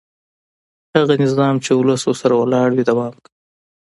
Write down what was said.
هغه نظام چې ولس ورسره ولاړ وي دوام کوي